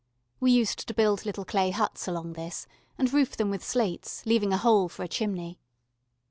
We used to build little clay huts along this, and roof them with slates, leaving a hole for a chimney.